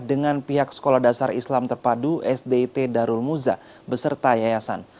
dengan pihak sekolah dasar islam terpadu sdit darul muza beserta yayasan